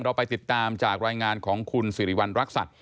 เราไปติดตามจากรายงานของคุณสิริวัณรักษัตริย